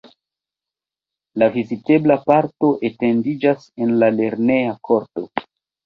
La vizitebla parto etendiĝas en la lerneja korto.